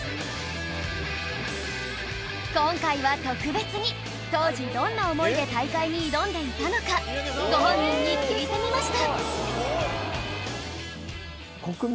今回は特別に当時どんな思いで大会に挑んでいたのかご本人に聞いてみました